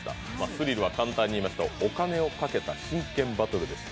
スリルは簡単にいいますとお金をかけた真剣バトルです。